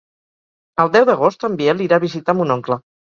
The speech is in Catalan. El deu d'agost en Biel irà a visitar mon oncle.